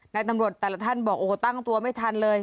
ตำรวจแต่ละท่านบอกโอ้โหตั้งตัวไม่ทันเลย